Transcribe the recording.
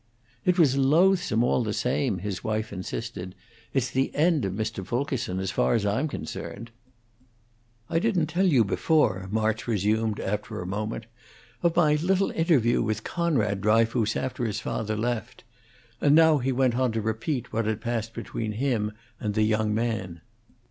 "It was loathsome, all the same," his wife insisted. "It's the end of Mr. Fulkerson, as far as I'm concerned." "I didn't tell you before," March resumed, after a moment, "of my little interview with Conrad Dryfoos after his father left," and now he went on to repeat what had passed between him and the young man.